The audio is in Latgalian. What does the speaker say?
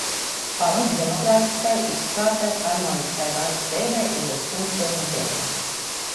Pamats demokratiskai, izsvārtai, harmoniskai vaļsts dzeivei i juos piļsūņu dzeivei.